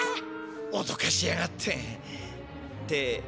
おどかしやがってってこれ